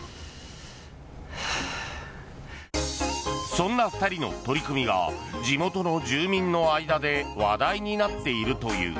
そんな２人の取り組みが地元の住民の間で話題になっているという。